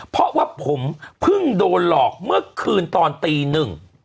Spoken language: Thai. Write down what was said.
เพราะว่าผมเพิ่งโดนหลอกเมื่อคืนตอนตีหนึ่ง